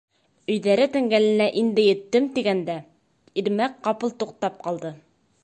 Өйҙәре тәңгәленә инде еттем тигәндә, Ирмәк ҡапыл туҡтап ҡалды.